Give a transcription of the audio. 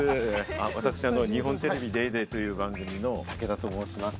私、日本テレビで『ＤａｙＤａｙ．』という番組の武田と申します。